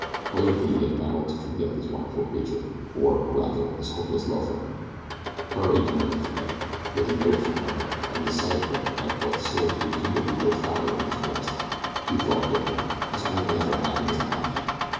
Bravely he had battled to forget this wonderful creature, or, rather, his hopeless love for her her he could never forget. But the note from her, and the sight of her had but served to rekindle the old fire within his breast. He thought quickly. His own life or happiness did not count.